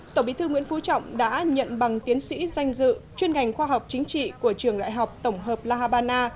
tổng bí thư nguyễn phú trọng đã nhận bằng tiến sĩ danh dự chuyên ngành khoa học chính trị của trường đại học tổng hợp la habana